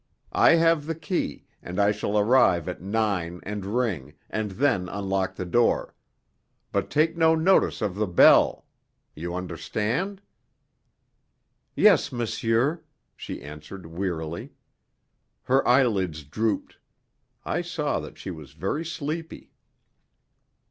I have the key, and I shall arrive at nine and ring, and then unlock the door. But take no notice of the bell. You understand?" "Yes, monsieur," she answered wearily. Her eyelids drooped; I saw that she was very sleepy.